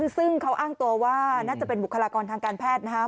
ซึ่งเขาอ้างตัวว่าน่าจะเป็นบุคลากรทางการแพทย์นะครับ